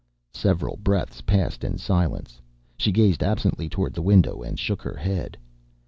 Several breaths passed in silence. She gazed absently toward the window and shook her head.